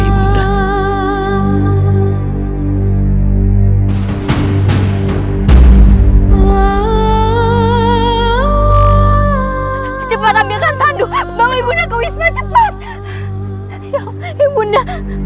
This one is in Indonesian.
ibunya cepat ambilkan tandu bawa ibunya ke wisma cepat ya ibunya